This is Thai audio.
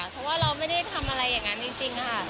เพราะว่าเราไม่ได้ทำอะไรอย่างนั้นจริงค่ะ